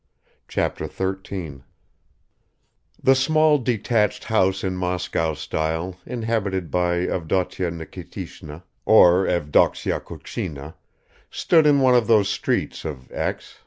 Chapter 13 THE SMALL DETACHED HOUSE IN MOSCOW STYLE INHABITED BY Avdotya Nikitishna or Evdoksya Kukshina, stood in one of those streets of X.